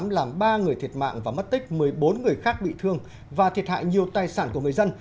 làm ba người thiệt mạng và mất tích một mươi bốn người khác bị thương và thiệt hại nhiều tài sản của người dân